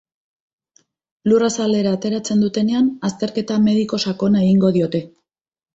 Lurrazalera ateratzen dutenean azterketa mediko sakona egingo diote.